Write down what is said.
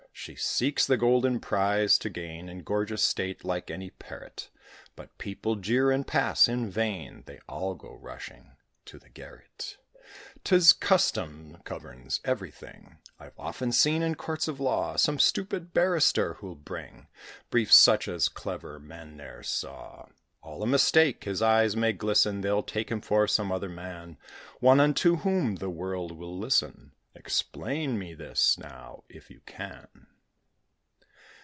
She seeks the golden prize to gain, In gorgeous state, like any parrot; But people jeer and pass. In vain; They all go rushing to the garret. 'Tis custom governs everything. I've often seen, in courts of law, Some stupid barrister, who'll bring Briefs such as clever men ne'er saw. All a mistake: his eyes may glisten; They'll take him for some other man: One unto whom the world will listen. Explain me this, now, if you can.